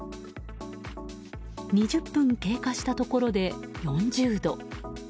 ２０分経過したところで４０度。